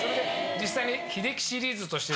実際に。